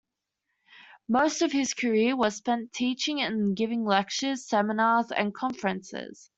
Most of his career was spent teaching and giving lectures, seminars and conferences.